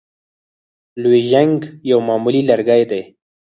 لوژینګ یو معمولي لرګی دی.